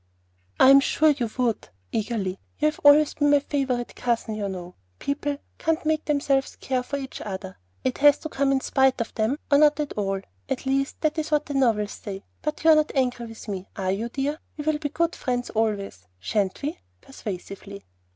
"I am sure you would," eagerly. "You've always been my favorite cousin, you know. People can't make themselves care for each other; it has to come in spite of them or not at all, at least, that is what the novels say. But you're not angry with me, are you, dear? We will be good friends always, sha'n't we?" persuasively.